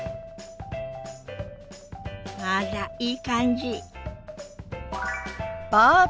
あらいい感じ。